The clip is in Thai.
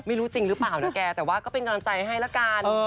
ไม่รู้จริงหรือเปล่านะแกแต่ว่าก็เป็นกำลังใจให้ละกัน